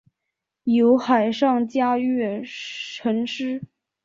有海上嘉月尘诗。